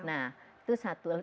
nah itu satu